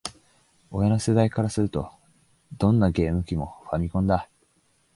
親の世代からすると、どんなゲーム機も「ファミコン」だ